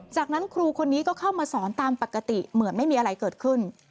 จากนั้นครูคนนี้ก็เข้ามาสอนตามปกติเหมือนไม่มีอะไรเกิดขึ้น